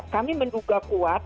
kami menduga kuat